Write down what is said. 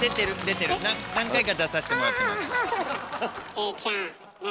瑛ちゃんね！